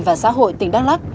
và xã hội tỉnh đắk lắc